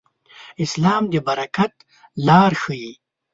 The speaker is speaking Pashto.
اسلام د برکت لار ښيي.